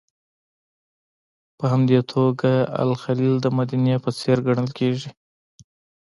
په همدې توګه الخلیل د مدینې په څېر ګڼل کېږي.